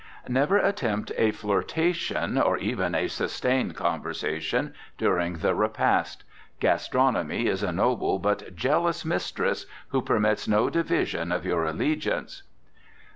Never attempt a flirtation, or even a sustained conversation, during the repast. Gastronomy is a noble but jealous mistress, who permits no division of your allegiance.